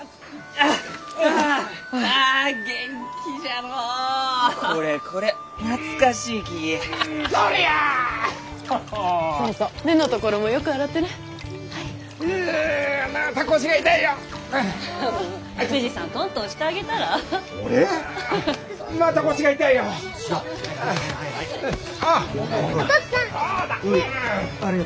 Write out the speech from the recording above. ありがとよ。